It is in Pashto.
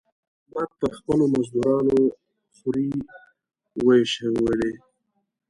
احمد پر خپلو مزدورانو خورۍ واېشولې.